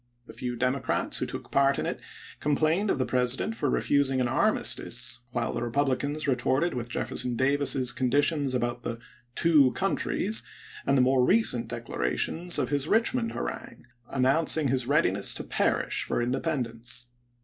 The few Democrats who took part in it complained of the President for refusing an armistice, while the Republicans retorted with Jefferson Davis's condi tion about the " two countries " and the more recent declarations of his Richmond harangue, announcing his readiness to perish for independence.